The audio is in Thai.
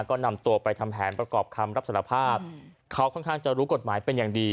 ก็นำตัวไปทำแผนประกอบคำรับสารภาพเขาค่อนข้างจะรู้กฎหมายเป็นอย่างดี